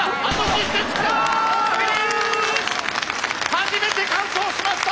初めて完走しました！